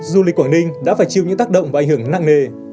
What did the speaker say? du lịch quảng ninh đã phải chịu những tác động và ảnh hưởng nặng nề